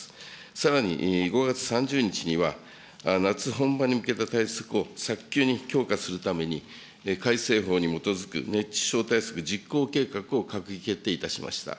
さらに、５月３０日には、夏本番に向けた対策を早急に強化するために、改正法に基づく熱中症対策実行計画を閣議決定いたしました。